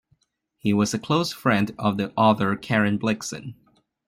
He was a close friend of the author Karen Blixen.